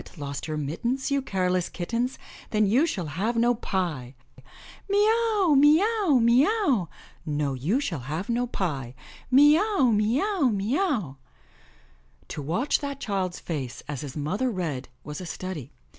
lost your mittens. You careless kittens. Then you shall have no pie,* 'Mee aWy mee aw, mee aw!' 'No, you shall have no pie!' 'Mee aw, mee aw, mee aw!' " To watch that child's face as his mothei read was a study.